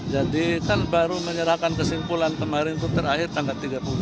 jadi kan baru menyerahkan kesimpulan kemarin itu terakhir tanggal tiga puluh satu mei